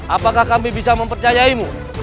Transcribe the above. apakah kami bisa mempercayaimu